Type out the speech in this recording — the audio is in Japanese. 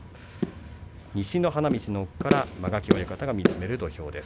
西の花道の奥間垣親方が見つめる土俵です。